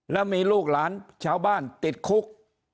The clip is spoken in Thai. แล้วมีลูกหลานชาวบ้านติดคุก